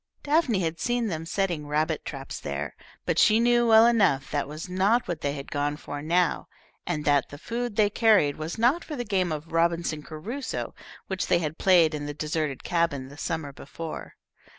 Daphne had seen them setting rabbit traps there, but she knew well enough that was not what they had gone for now, and that the food they carried was not for the game of Robinson Crusoe, which they had played in the deserted cabin the summer before.